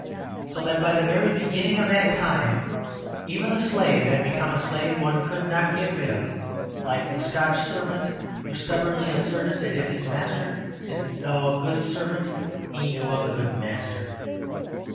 So that by the very beginning of that time even the slave had become a slave one could not get rid of, like the Scotch servant who stubbornly asserted that if his master didn't know a good servant he knew a good master.